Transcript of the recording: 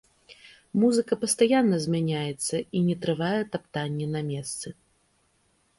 Музыка пастаянна змяняецца і не трывае таптанні на месцы.